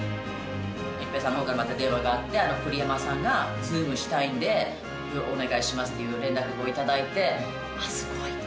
一平さんのほうから電話があって、栗山さんがＺｏｏｍしたいんで、お願いしますっていう連絡をいただいて、すごい！